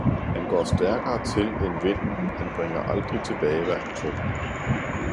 han går stærkere til end vinden, han bringer aldrig tilbage hvad han tog!